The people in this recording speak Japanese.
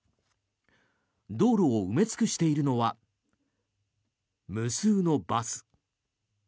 道路を埋め尽くしているのは無数のバス。